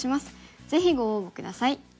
ぜひご応募下さい。